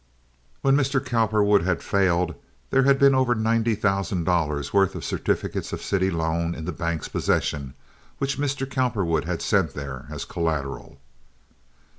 When Mr. Cowperwood had failed there had been over ninety thousand dollars' worth of certificates of city loan in the bank's possession which Mr Cowperwood had sent there as collateral.